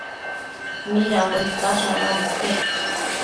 Nidambo icash anobi iquec